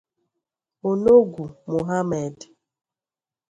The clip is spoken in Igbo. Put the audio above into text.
Onogwu Mohammed